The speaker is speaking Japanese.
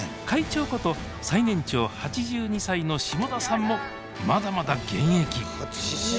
会長こと最年長８２歳の下田さんもまだまだ現役！